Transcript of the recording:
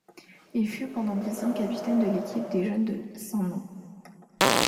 Il fut pendant dix ans capitaine de l'équipe des jeunes de Saint-Nom.